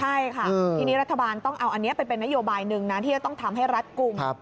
ใช่ค่ะทีนี้รัฐบาลต้องเอาอันนี้ไปเป็นนโยบายหนึ่งนะที่จะต้องทำให้รัฐกลุ่ม